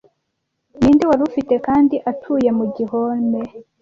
Ninde wari ufite kandi atuye mu gihome